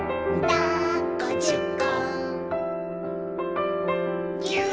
「だっこじゅっこ」